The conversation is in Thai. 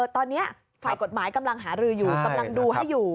ตอนนี้ฝ่ายกฎหมายกำลังหารืออยู่กำลังดูให้อยู่